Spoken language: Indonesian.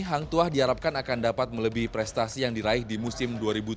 hangtua diharapkan akan dapat melebihi prestasi yang diraih di musim dua ribu tujuh belas dua ribu delapan belas